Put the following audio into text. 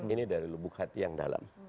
ini dari lubuk hati yang dalam